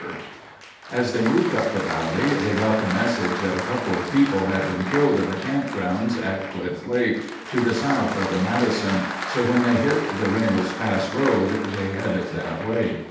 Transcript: Forest Service)] As they moved up the valley, they got the message that a couple of people had been killed in the campground at Cliff Lake, to the south of the Madison, so when they hit the Raynolds Pass road, they headed that way.